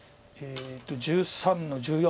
１３の十四。